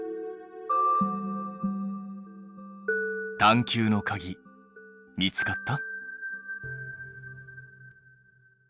探究のかぎ見つかった？